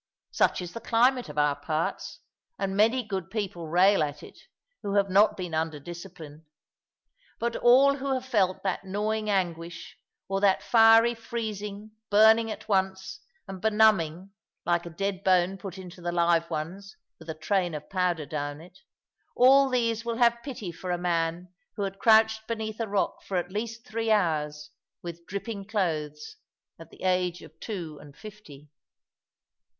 Such is the climate of our parts, and many good people rail at it, who have not been under discipline. But all who have felt that gnawing anguish, or that fiery freezing, burning at once and benumbing (like a dead bone put into the live ones, with a train of powder down it) all these will have pity for a man who had crouched beneath a rock for at least three hours, with dripping clothes, at the age of two and fifty.